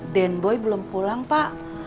den boy belum pulang pak